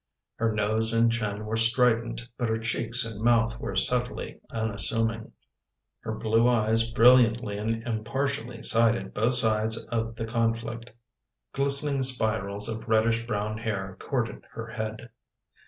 Her nose and chin were strident but her cheeks and mouth were subtlely unassuming. Her blue eyes brilliantly and impartially aided both sides of the con flict. Glistening spirals of reddish brown hair courted her head.